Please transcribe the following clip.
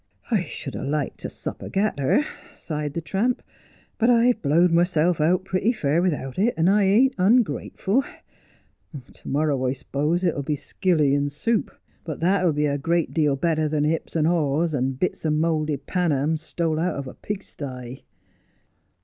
' I should ha' liked a sup o' gatter,' sighed the tramp, ' but I've blowed myself out pretty fair without it, and I ain't ungrateful. To morrow, I suppose, it'll be skilly and soup ; but that'll be a deal better than hips and haws, and bits o'mouldy pannam, stole out of a pigsty.'